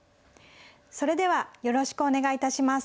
それではよろしくお願い致します。